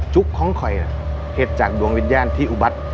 จุกของไข่เนี่ยเห็นจากดวงวิญญาณที่อุบัติ